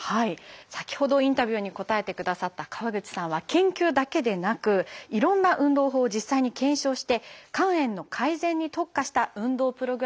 先ほどインタビューに答えてくださった川口さんは研究だけでなくいろんな運動法を実際に検証して肝炎の改善に特化した運動プログラムを開発したんです。